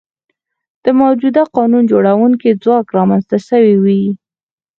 د موجوده قانون جوړوونکي ځواک رامنځته شوي وي.